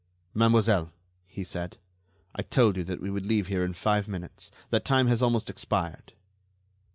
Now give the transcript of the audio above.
"Mademoiselle," he said, "I told you that we would leave here in five minutes. That time has almost expired."